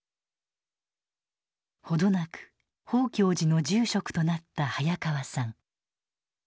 程なく宝鏡寺の住職となった早川さん。